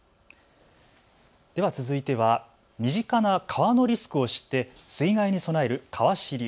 では続いては身近な川のリスクを知って水害に備えるかわ知り。